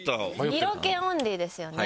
色気オンリーですよね。